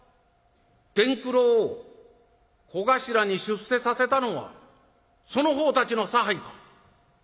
伝九郎を小頭に出世させたのはその方たちの差配か？」。